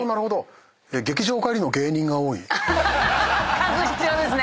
数必要ですね。